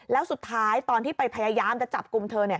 แล้วสุดท้ายตอนที่ไปพยายามจะจับกลุ่มเธอ